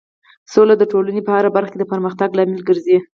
سوله د ټولنې په هر برخه کې د پرمختګ لامل ګرځي.